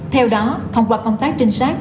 theo đó thông qua công tác trinh sát